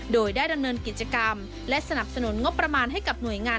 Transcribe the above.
โดยได้ดำเนินกิจกรรมและสนับสนุนงบประมาณให้กับหน่วยงาน